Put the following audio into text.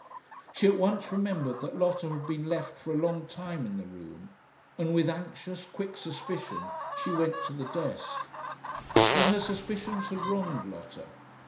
She at once remembered that Lotta had been left for a long time in the room, and with anxious, quick suspicion she went to the desk. But her suspicions had wronged Lotta.